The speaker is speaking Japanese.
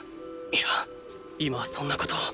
いや今はそんなことを！